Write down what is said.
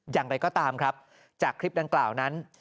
อย่างไรก็ตามครับจากคลิปดังกล่าวนั้น